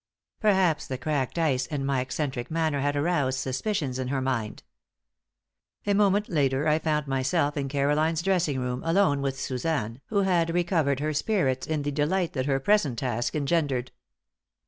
Perhaps the cracked ice and my eccentric manner had aroused suspicions in her mind. A moment later, I found myself in Caroline's dressing room alone with Suzanne, who had recovered her spirits in the delight that her present task engendered.